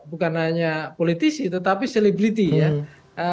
bukan hanya politisi tetapi selebriti ya